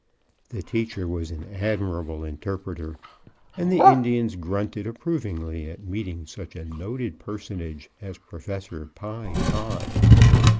The teacher was an admirable interpreter, and the Indians grunted approvingly at meeting such a noted personage as Professor Pye Pod.